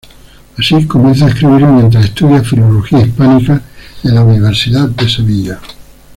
Así, comienza a escribir, mientras estudia Filología Hispánica en la Universidad de Sevilla.